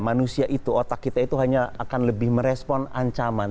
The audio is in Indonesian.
manusia itu otak kita itu hanya akan lebih merespon ancaman